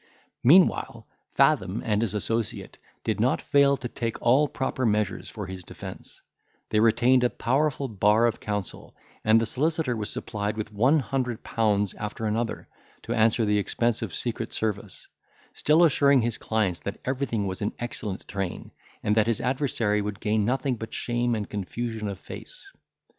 Meanwhile, Fathom and his associate did not fail to take all proper measures for his defence; they retained a powerful bar of counsel, and the solicitor was supplied with one hundred pounds after another, to answer the expense of secret service; still assuring his clients that everything was in an excellent train, and that his adversary would gain nothing but shame and confusion of face.